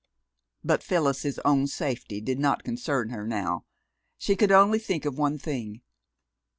But Phyllis's own safety did not concern her now. She could only think of one thing.